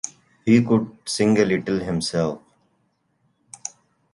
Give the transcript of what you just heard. He could sing a little himself.